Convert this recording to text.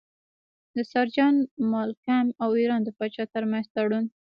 د سر جان مالکم او ایران د پاچا ترمنځ تړون.